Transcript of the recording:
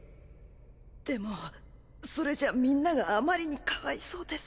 でもそれじゃみんながあまりにかわいそうです！